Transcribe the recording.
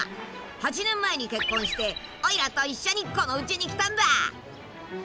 ８年前に結婚しておいらと一緒にこのうちに来たんだ。